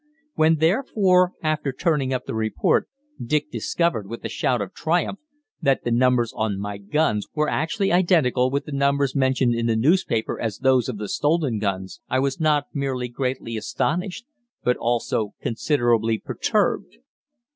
When, therefore, after turning up the report, Dick discovered, with a shout of triumph, that the numbers on my guns were actually identical with the numbers mentioned in the newspaper as those of the stolen guns, I was not merely greatly astonished, but also considerably perturbed.